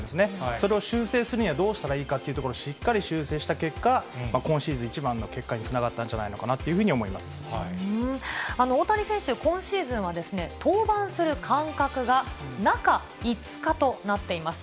それを修正するにはどうしたらいいかというところを、しっかり修正した結果、今シーズン一番の結果につながったんじゃないかのか大谷選手、今シーズンは登板する間隔が中５日となっています。